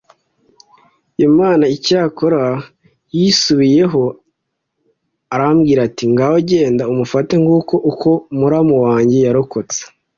imana icyakora yisubiyeho arambwira ati ngaho genda umufate nguko uko muramu wanjye yarokotse